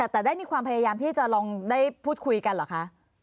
แต่ได้มีความพยายามที่จะลองได้พูดคุยกันเหรอคะ